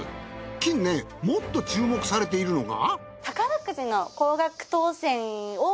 近年もっと注目されているのが。